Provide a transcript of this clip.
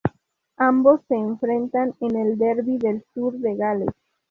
Ambos se enfrentan en el Derbi del Sur de Gales.